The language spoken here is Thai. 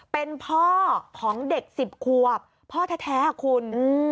เป็นพ่อของเด็ก๑๐ขวบพ่อแท้คุณ